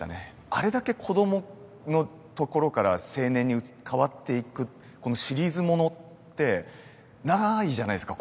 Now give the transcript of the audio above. あれだけ子どものところから青年に変わっていくこのシリーズものってないじゃないですか